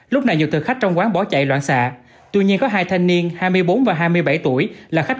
lúc này nhiều thực khách trong quán bỏ chạy loạn xạ tuy nhiên có hai thanh niên hai mươi bốn và hai mươi bảy tuổi là khách